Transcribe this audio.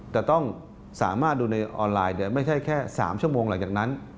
แต่ต้องสามารถดูในออนไลน์ไม่ใช่แค่๓ชั่วโมงหลังจากนั้น